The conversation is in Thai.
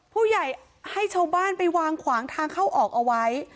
ผู้ใหญ่ให้ชาวบ้านไปวางขวางทางเข้าออกเอาไว้